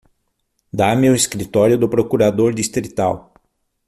Dá-me o escritório do Procurador Distrital.